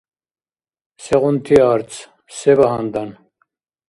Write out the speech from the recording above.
Сегъунти арц? Се багьандан?